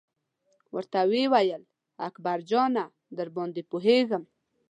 ورته یې وویل: اکبر جانه درباندې پوهېږم.